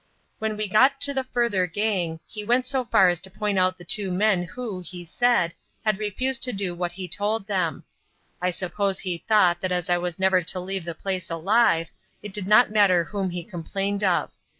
When we got to the further gang, he went so far as to point out the two men who, he said, had refused to do what he told them I suppose he thought that as I was never to leave the place alive, it did not matter whom he complained of.